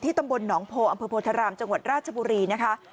ตำบลหนองโพอำเภอโพธารามจังหวัดราชบุรีนะคะ